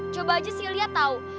coba aja si lia tau